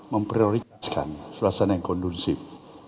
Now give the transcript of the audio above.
memprioritaskan suasana yang kondunsif